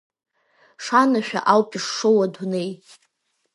Шанашәа ауп ишшоу адунеи.